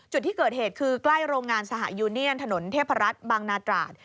จุดที่เกิดเหตุคือใกล้โรงงานสหยูเนียนถนนเทพรัฐบางนาตราด